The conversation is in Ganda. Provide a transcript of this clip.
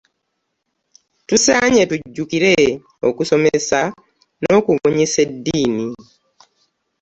Tusaanye tujjukire okusomesa n'okubunyisa eddiini.